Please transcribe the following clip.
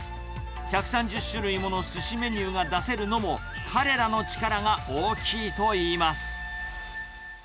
１３０種類ものすしメニューが出せるのも、彼らの力が大きいといいます。